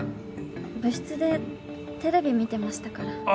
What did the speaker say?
部室でテレビ見てましたから。